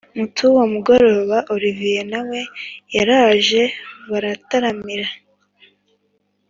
mutuwo mugoroba olivier nawe yaraje bataramira